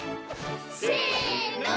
せの。